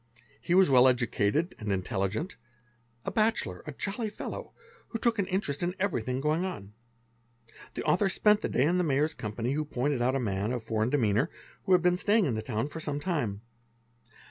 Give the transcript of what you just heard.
He was . well educated and intelligent, a bachelor, a jolly fellow, who took an interest in everything going on. The author spent the day in the Mayor's Wespany, who pointed out a man, of foreign demeanour, who had been Staying in the town for some time.